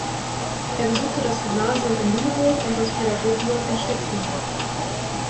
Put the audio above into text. Er besuchte das Gymnasium in Lüneburg und das Pädagogium in Stettin.